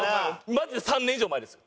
マジで３年以上前ですよ。